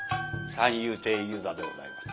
三遊亭遊三でございます。